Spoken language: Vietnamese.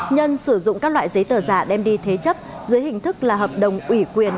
nhân sử dụng các loại giấy tờ giả đem đi thế chấp dưới hình thức là hợp đồng ủy quyền